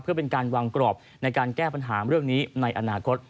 เพื่อเป็นการวางกรอบในการแก้ปัญหาเรื่องนี้ในอนาคต